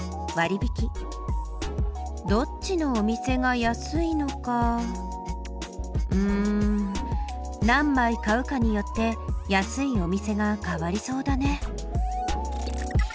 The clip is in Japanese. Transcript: どっちのお店が安いのかうん何枚買うかによって安いお店が変わりそうだね。